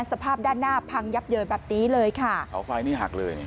สภาพด้านหน้าพังยับเยินแบบนี้เลยค่ะเสาไฟนี่หักเลย